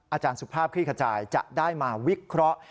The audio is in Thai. อาจารย์สุภาพคลี่ขจายจะได้มาวิเคราะห์